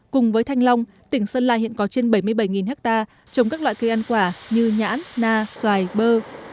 cùng với thanh long tỉnh sơn la hiện có trên bảy mươi bảy hectare trồng các loại cây ăn quả như nhãn na xoài bơ